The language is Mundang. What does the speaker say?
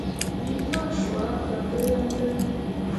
Wǝ ɓuah cua gah gǝlaŋ gǝlaŋ.